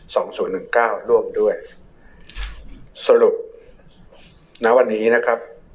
ศูนย์หนึ่งเก้าร่วมด้วยสรุปณวันนี้นะครับ